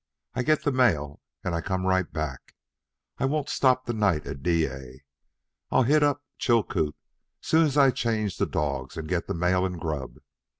I get the mail and I come right back. I won't stop the night at Dyea. I'll hit up Chilcoot soon as I change the dogs and get the mail and grub.